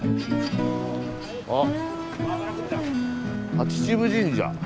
あ秩父神社。